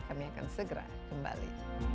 kami akan segera kembali